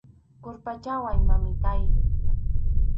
Qurpachaway, mamitáy.